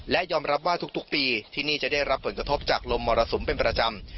และยอมรับว่าทุกปีที่นี่จะได้รับผลกระทบจากลมมรสุมเป็นประจำ